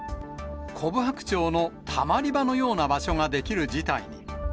コブハクチョウのたまり場のような場所が出来る事態に。